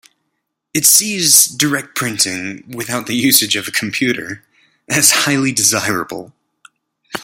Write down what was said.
It sees direct printing, without the usage of a computer, as highly desirable.